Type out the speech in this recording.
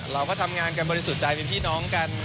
เราก็ทำงานกันบริสุทธิ์ใจเป็นพี่น้องกัน